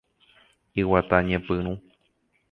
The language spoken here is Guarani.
Iguata ñepyrũ.